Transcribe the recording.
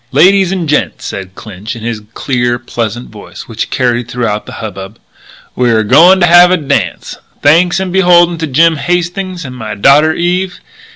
"Ladies and gents," said Clinch in his clear, pleasant voice, which carried through the hubbub, "we're a going to have a dance thanks and beholden to Jim Hastings and my daughter Eve.